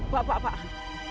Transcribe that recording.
pak pak pak